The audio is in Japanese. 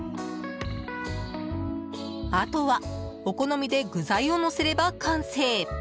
あとは、お好みで具材をのせれば完成。